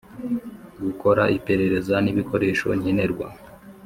Gukora iperereza n ibikoresho nkenerwa